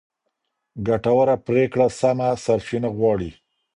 ګټوره پرېکړه سمه سرچینه غواړي.